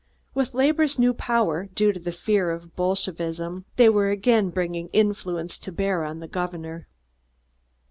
With labor's new power, due to the fear of Bolshevism, they were again bringing influence to bear on the governor.